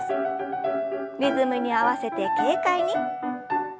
リズムに合わせて軽快に。